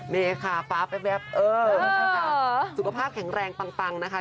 เมค่าฟ้าแป๊บสุขภาพแข็งแรงปังนะคะ